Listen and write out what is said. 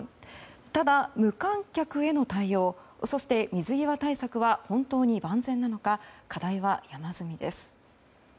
ただ、無観客への対応そして、水際対策は本当に万全なのか課題は山積みです。